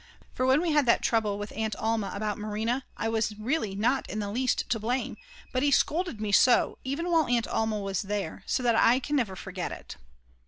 For when we had that trouble with Aunt Alma about Marina, I was really not in the least to blame, but he scolded me so, even while Aunt Alma was there, so that I can never forget it.